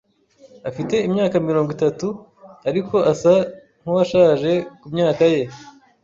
Afite imyaka mirongo itatu, ariko asa nkuwashaje kumyaka ye.